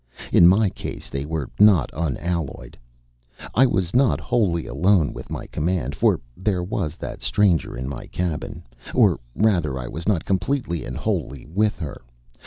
In my case they were not unalloyed. I was not wholly alone with my command; for there was that stranger in my cabin. Or rather, I was not completely and wholly with her.